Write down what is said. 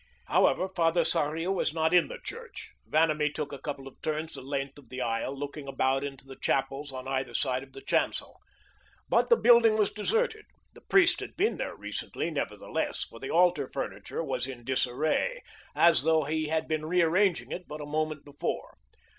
However, Father Sarria was not in the church. Vanamee took a couple of turns the length of the aisle, looking about into the chapels on either side of the chancel. But the building was deserted. The priest had been there recently, nevertheless, for the altar furniture was in disarray, as though he had been rearranging it but a moment before.